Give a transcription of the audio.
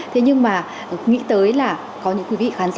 thế nhưng mà nghĩ tới là có những quý vị khán giả